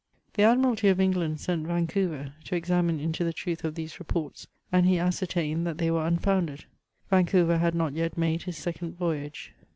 The Admiralty of England sent Vancouver to examine into the truth of these reports, and he ascertained that they were un founded. Vancouver had not yet made his second voyage.